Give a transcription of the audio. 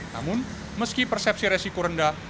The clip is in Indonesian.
namun meski persepsi resiko rendah